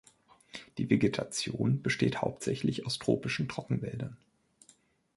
Die Vegetation besteht hauptsächlich aus tropischen Trockenwäldern.